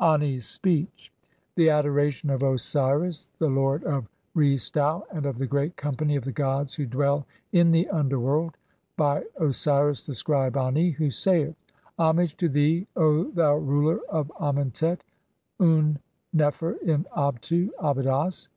II. Ami's Speech :— (1) The adoration of Osiris, the lord of Re stau, and of the great company of the gods who dwell in the underworld, by Osiris the scribe Ani (2) who saith :— "Homage to thee, O thou ruler of Amentet, Un nefer in Abtu "(Abydos)!